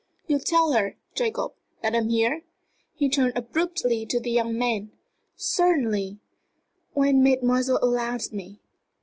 "You'll tell her, Jacob, that I'm here?" He turned abruptly to the young man. "Certainly when mademoiselle allows me.